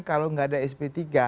kalau nggak ada sp tiga